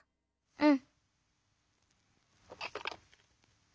うん。